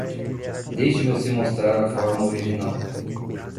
Deixe você mostrar a forma original!